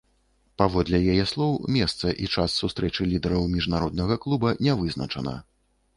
Паводле яе слоў, месца і час сустрэчы лідараў міжнароднага клуба не вызначана.